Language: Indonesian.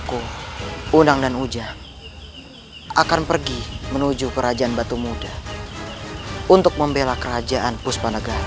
sebagai belas terima kasih kami terhadap kerajaan puspah negara